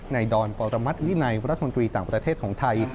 ดอนปรมัติวินัยรัฐมนตรีต่างประเทศของไทย